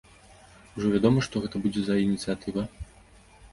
Ужо вядома, што гэта будзе за ініцыятыва?